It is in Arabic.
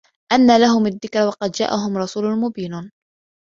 أَنّى لَهُمُ الذِّكرى وَقَد جاءَهُم رَسولٌ مُبينٌ